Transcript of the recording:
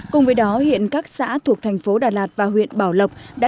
cùng với đó hiện các xã thuộc thành phố đà lạt tỉnh lâm đồng đã tổ chức hội nghị tổng kết